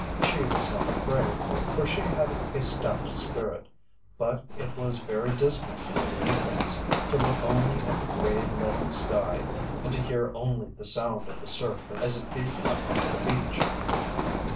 She was not afraid, for she had a stout spirit, but it was very dismal in the evenings to look only at the grey leaden sky and to hear only the sound of the surf as it beat upon the beach.